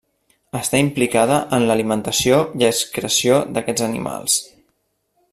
Està implicada en l'alimentació i excreció d'aquests animals.